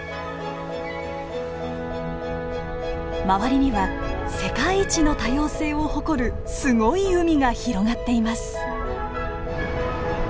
周りには世界一の多様性を誇るすごい海が広がっています。